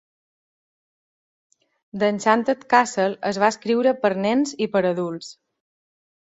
"The Enchanted Castle" es va escriure per nens i per adults.